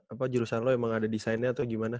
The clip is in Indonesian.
apa jurusan lo emang ada desainnya atau gimana